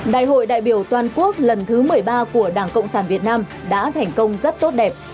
đại hội đại biểu toàn quốc lần thứ một mươi ba của đảng cộng sản việt nam đã thành công rất tốt đẹp